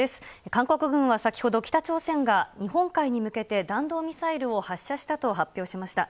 韓国軍は先ほど、北朝鮮が日本海に向けて弾道ミサイルを発射したと発表しました。